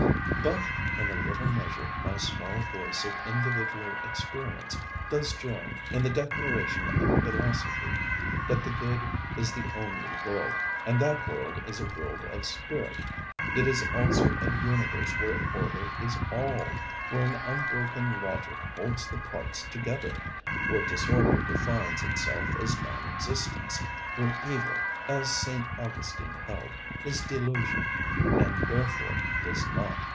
But in a little measure my small voice of individual experience does join in the declaration of philosophy that the good is the only world, and that world is a world of spirit. It is also a universe where order is All, where an unbroken logic holds the parts together, where disorder defines itself as non existence, where evil, as St. Augustine held, is delusion, and therefore is not.